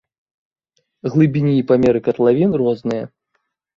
Глыбіні і памеры катлавін розныя.